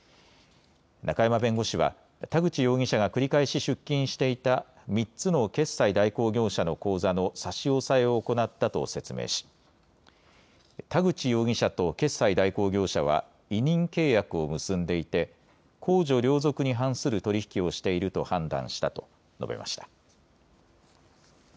中山弁護士は、田口容疑者が繰り返し出金していた３つの決済代行業者の口座の差し押さえを行ったと説明し田口容疑者と決済代行業者は委任契約を結んでいて公序良俗に反する取り引きをしていると判断したと述べました。